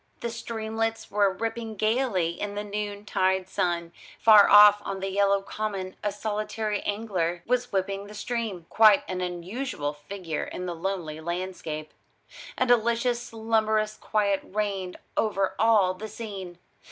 The streamlets were rippling gaily in the noontide sun; far off on the yellow common a solitary angler was whipping the stream quite an unusual figure in the lonely landscape. A delicious slumberous quiet reigned over all the scene.